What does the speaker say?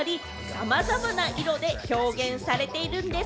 様々な色で表現されているんです。